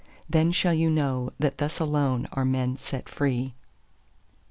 Then shall you know that thus alone are men set free.